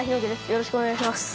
よろしくお願いします。